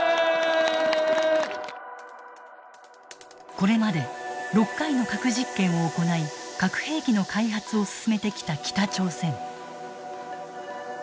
これまで６回の核実験を行い核兵器の開発を進めてきた北朝鮮。